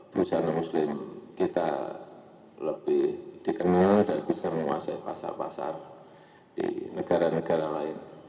perusahaan muslim kita lebih dikenal dan bisa menguasai pasar pasar di negara negara lain